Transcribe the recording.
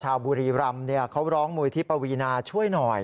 ชาวบุรีรำเขาร้องมูลที่ปวีนาช่วยหน่อย